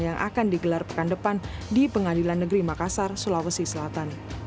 yang akan digelar pekan depan di pengadilan negeri makassar sulawesi selatan